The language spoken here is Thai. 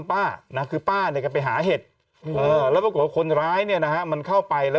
ป้าคือป้าในกับไปหาเห็ดแล้วกลับคนร้ายเนี่ยนะฮะมันเข้าไปแล้ว